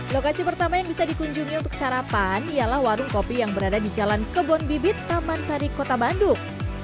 lokasi pertama yang bisa dikunjungi untuk sarapan ialah warung kopi yang berada di jalan kebon bibit taman sari kota bandung